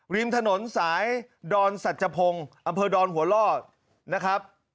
ริมถนนสายดอนสัจพงศ์อำเภอดอนหัวล่อนะครับ